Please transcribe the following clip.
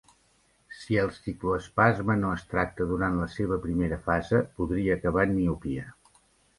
Si el cicloespasme no es tracta durant la seva primera fase, podria acabar en miopia.